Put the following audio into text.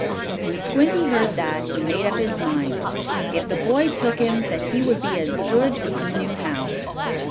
When Squinty heard that, he made up his mind, if the boy took him, that he would be as good as he knew how.